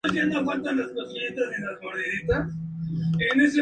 No se debe confundir con el TripHop, el Lounge o el Chill out.